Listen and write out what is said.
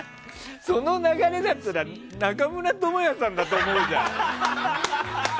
その流れだったら中村倫也さんだと思うじゃん。